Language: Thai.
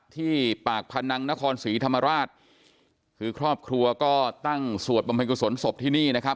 ที่ปากพนังนครศรีธรรมราชคือครอบครัวก็ตั้งสวดบำเพ็กกุศลศพที่นี่นะครับ